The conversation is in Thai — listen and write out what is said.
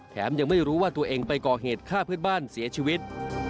ยังไม่รู้ว่าตัวเองไปก่อเหตุฆ่าเพื่อนบ้านเสียชีวิต